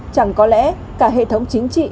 chẳng có lẽ cả hệ thống chính trị